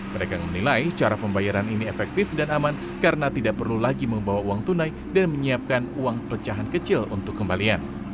pedagang menilai cara pembayaran ini efektif dan aman karena tidak perlu lagi membawa uang tunai dan menyiapkan uang pecahan kecil untuk kembalian